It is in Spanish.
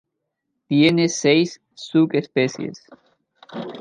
Tiene seis subespecies.